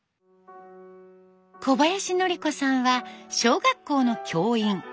小林典子さんは小学校の教員。